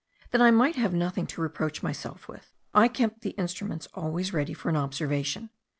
That I might have nothing to reproach myself with, I kept the instruments always ready for an observation.